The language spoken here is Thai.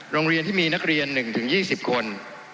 โรงเรียนที่มีนักเรียน๑๒๐คน